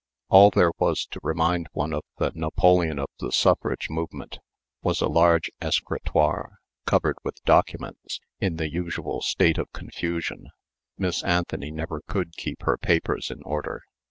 All there was to remind one of the "Napoleon of the Suffrage Movement" was a large escritoire covered with documents in the usual state of confusion Miss Anthony never could keep her papers in order.